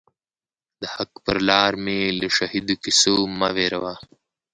د حق پر لار می له شهیدو کیسو مه وېروه